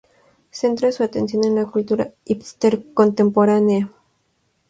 Centra su atención en la cultura hipster contemporánea.